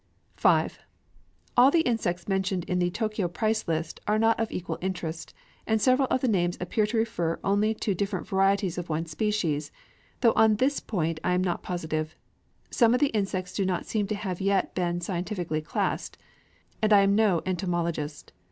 V All the insects mentioned in the Tōkyō price list are not of equal interest; and several of the names appear to refer only to different varieties of one species, though on this point I am not positive. Some of the insects do not seem to have yet been scientifically classed; and I am no entomologist.